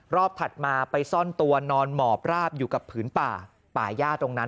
ถัดมาไปซ่อนตัวนอนหมอบราบอยู่กับผืนป่าป่าย่าตรงนั้น